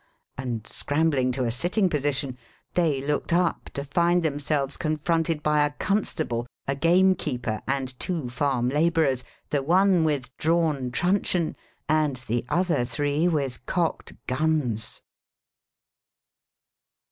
and scrambling to a sitting position, they looked up to find themselves confronted by a constable, a gamekeeper, and two farm labourers the one with drawn truncheon and the other three with cocked guns.